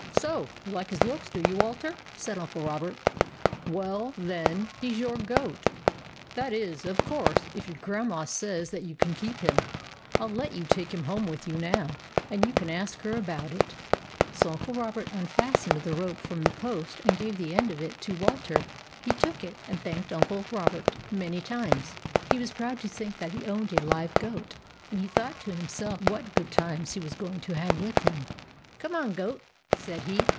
"So you like his looks, do you, Walter?" said Uncle Robert. "Well, then, he's your goat, — that is, of course, if your Grandma says that you can keep him. I '11 let you take him home with you now, and you can ask her about it." So Uncle Robert unfastened the rope from the post and gave the end of it to Walter He took it, and thanked Uncle 82 THE ADVENTURES OF MABEL Robert many times. He was proud to think that he owned a live goat, and he thought to himself what good times he was going to have with him. " Come on, Goat !" said he.